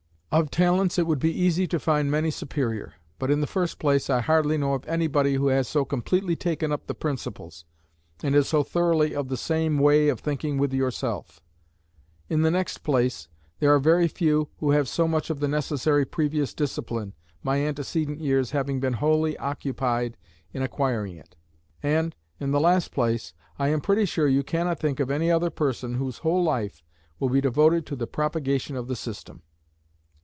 Of talents it would be easy to find many superior. But, in the first place, I hardly know of anybody who has so completely taken up the principles, and is so thoroughly of the same way of thinking with yourself. In the next place, there are very few who have so much of the necessary previous discipline, my antecedent years having been wholly occupied in acquiring it. And, in the last place, I am pretty sure you cannot think of any other person whose whole life will be devoted to the propagation of the system."